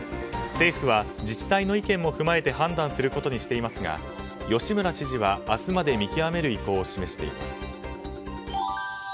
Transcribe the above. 政府は、自治体の意見も踏まえて判断することにしていますが吉村知事は明日まで見極める意向を示しています。